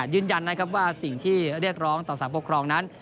ยืนยันนะครับว่าสิ่งที่เรียกร้องต่อสารปกครองนั้น